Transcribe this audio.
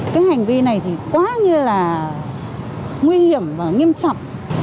cái hành vi này thì quá như là nguy hiểm và nghiêm trọng